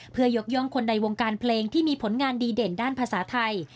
เพื่อยกย่องคนในวงการเพลงที่มีผลงานดีเด่นด้านภาษาไทย